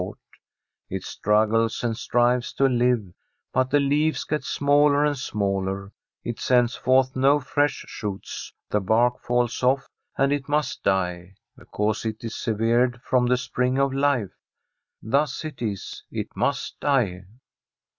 It [571 From d SWEDISH HOMESTEAD struggles and strives to live, but the leaves get smaller and smaller, it sends forth no fresh shoots, the bark falls off, and it must die, because it is sev ered from the spring of life. Thus it is it must die.